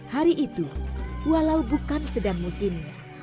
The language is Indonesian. hari itu walau bukan sedang musimnya